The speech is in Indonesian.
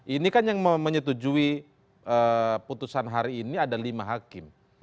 ini kan yang menyetujui putusan hari ini ada lima hakim